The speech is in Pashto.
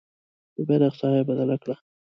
د بیرغ ساحه یې بدله کړه.